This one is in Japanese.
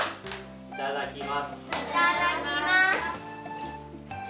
いただきます。